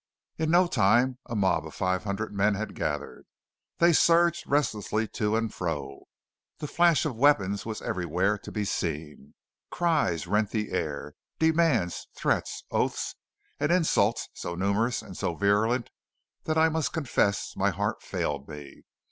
In no time a mob of five hundred men had gathered. They surged restlessly to and fro. The flash of weapons was everywhere to be seen. Cries rent the air demands, threats, oaths, and insults so numerous and so virulent that I must confess my heart failed me.